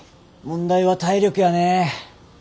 問題は体力やね。